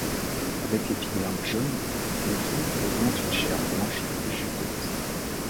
Avec l'épiderme jaune, le fruit présente une chair blanche juteuse.